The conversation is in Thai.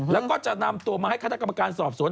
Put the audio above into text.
แล้วก็จะนำตัวมาให้คณะกรรมการสอบสวน